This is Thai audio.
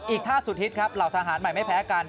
อีกท่าสุดฮิตครับเหล่าทหารใหม่ไม่แพ้กัน